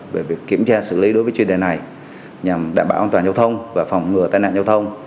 về việc kiểm tra xử lý đối với chuyên đề này nhằm đảm bảo an toàn giao thông và phòng ngừa tai nạn giao thông